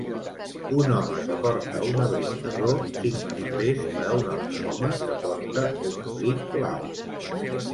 Un home que porta un abric marró signa papers per a un altre home que porta un abric blau.